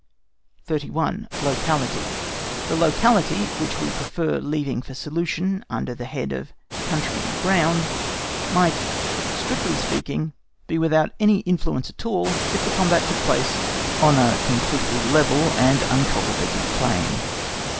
31. LOCALITY. The locality, which we prefer leaving for solution, under the head of "Country and Ground," might, strictly speaking, be without any influence at all if the combat took place on a completely level and uncultivated plain.